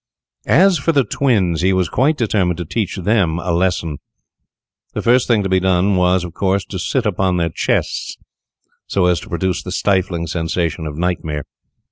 As for the twins, he was quite determined to teach them a lesson. The first thing to be done was, of course, to sit upon their chests, so as to produce the stifling sensation of nightmare.